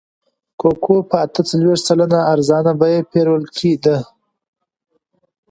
کوکو په اته څلوېښت سلنه ارزانه بیه پېرل کېده.